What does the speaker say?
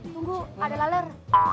tunggu ada laler